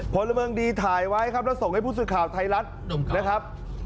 พลเมืองดีถ่ายไว้ครับแล้วส่งให้ผู้สื่อข่าวไทยรัฐนะครับ